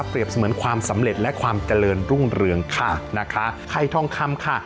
เสมือนความสำเร็จและความเจริญรุ่งเรืองค่ะนะคะไข่ทองคำค่ะ